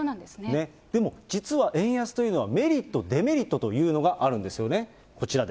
でも実は円安というのはメリット、デメリットというのがあるんですよね。